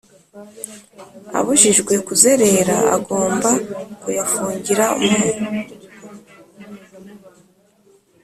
Abujijwe kuzerera agomba kuyafungira mu